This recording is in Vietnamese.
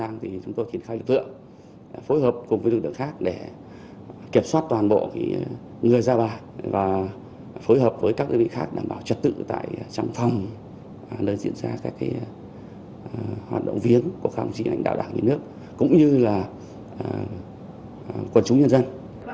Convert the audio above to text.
người ra bạc và phối hợp với các lực lượng khác đảm bảo trật tự tại trang phòng nơi diễn ra các hoạt động viếng của các hành trình đạo đảng nhà nước cũng như là quần chúng nhân dân